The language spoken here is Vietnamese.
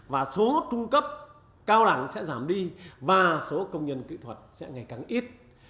và số trung cấp cao đẳng sẽ giảm đi và số công nhân kỹ thuật sẽ ngày càng ít